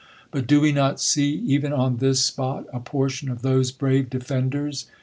But do we not see, even on this spot, a portion ot tbose brave deienders ?